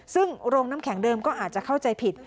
ซึ่งโรงน้ำแข็งเดิมก็อาจจะเข้าใจผิด